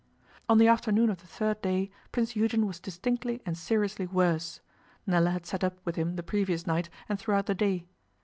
On the afternoon of the third day Prince Eugen was distinctly and seriously worse. Nella had sat up with him the previous night and throughout the day.